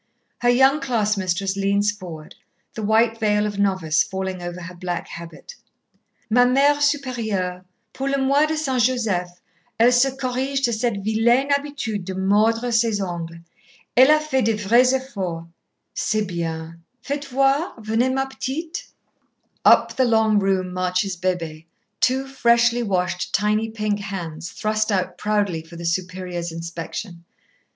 Her young class mistress leans forward, the white veil of novice falling over her black habit. "Ma Mère Supérieure, pour le mois de S. Joseph, elle se corrige de cette vilaine habitude de mordre ses ongles. Elle a fait de vrais efforts...." "C'est bien. Faites voir.... Venez, ma petite." Up the long room marches Bébée, two freshly washed tiny pink hands thrust out proudly for the Superior's inspection.